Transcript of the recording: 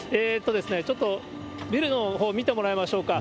ちょっとビルのほうを見てもらいましょうか。